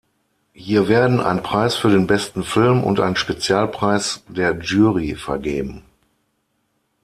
Hier werden ein Preis für den besten Film und ein Spezialpreis der Jury vergeben.